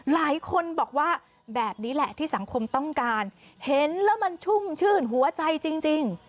หลายคนบอกว่าแบบนี้แหละที่สังคมต้องการเห็นแล้วมันชุ่มชื่นหัวใจจริง